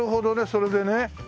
それでね。